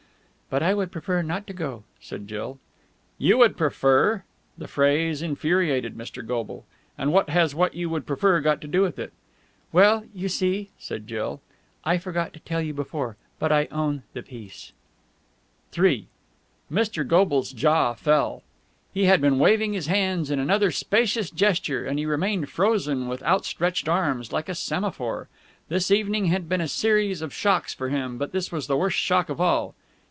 "But I would prefer not to go," said Jill. "You would prefer!" The phrase infuriated Mr. Goble. "And what has what you would prefer got to do with it?" "Well, you see," said Jill, "I forgot to tell you before, but I own the piece!" III Mr. Goble's jaw fell. He had been waving his hands in another spacious gesture, and he remained frozen with outstretched arms, like a semaphore. This evening had been a series of shocks for him, but this was the worst shock of all.